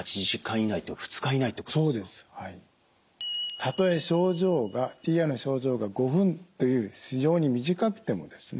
たとえＴＩＡの症状が５分という非常に短くてもですね